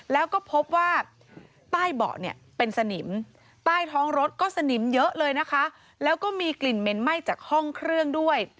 แล้วก็พบว่าใต้เบาะเนี่ยเป็นสนิมใต้ท้องรถก็สนิมเยอะเลยนะคะแล้วก็มีกลิ่นเหม็นไหม้จากห้องเครื่องด้วย